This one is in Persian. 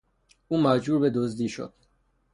او مجبور به دزدی شد.